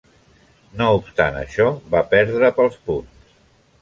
No obstant això, va perdre pels punts.